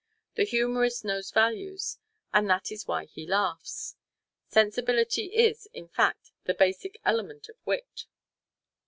The humorist knows values, and that is why he laughs. Sensibility is, in fact, the basic element of wit.